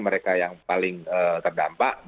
mereka yang paling terdampak